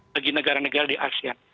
bagi negara negara di asean